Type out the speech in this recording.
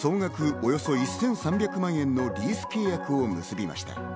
およそ１３００万円のリース契約を結びました。